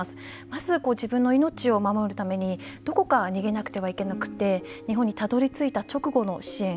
まず、自分の命を守るためにどこかに逃げなくてはいけなくて日本にたどりついた直後の支援。